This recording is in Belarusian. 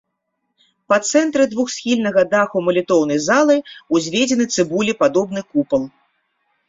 Па цэнтры двухсхільнага даху малітоўнай залы ўзведзены цыбулепадобны купал.